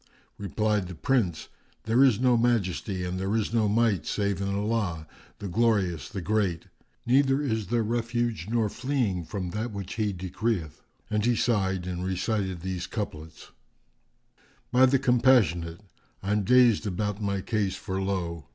Replied the Prince, "There is no Majesty and there is no Might save in Allah, the Glorious, the Great! Neither is there refuge nor fleeing from that which He decreeth!" And he sighed and recited these couplets, "By the Compassionate, I'm dazed about my case for lo!